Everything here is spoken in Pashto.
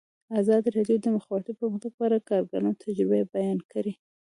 ازادي راډیو د د مخابراتو پرمختګ په اړه د کارګرانو تجربې بیان کړي.